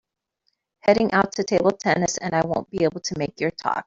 Heading out to table tennis and I won’t be able to make your talk.